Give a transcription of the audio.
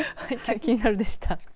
キニナル！でした。